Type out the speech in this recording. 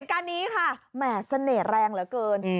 การนี้ค่ะแหม่เสน่ห์แรงเหลือเกิน